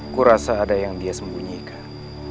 aku rasa ada yang dia sembunyikan